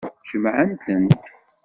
Jemɛent-tent.